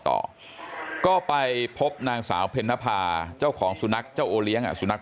ต่อก็ไปพบนางสาวเพ็ญนภาเจ้าของสุนัขเจ้าโอเลี้ยงสุนัข